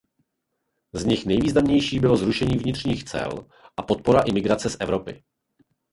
Z nich nejvýznamnější bylo zrušení vnitřních cel a podpora imigrace z Evropy.